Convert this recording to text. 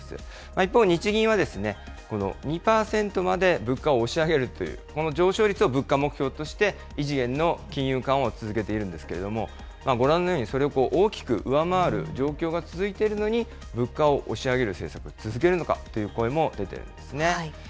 一方、日銀は２％まで物価を押し上げるという、この上昇率を物価目標にして異次元の金融緩和を続けているんですけれども、ご覧のようにそれを大きく上回る状況が続いているのに、物価を押し上げる政策を続けるのかという声も出てるんですね。